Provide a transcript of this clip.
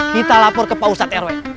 kita lapor ke pausat rw